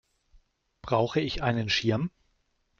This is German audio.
Brauche ich einen Schirm?